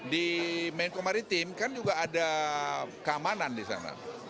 di menko maritim kan juga ada keamanan disana